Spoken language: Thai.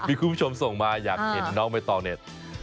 มีคุณผู้ชมส่งมาอยากเห็นน้องใบตองเนี่ย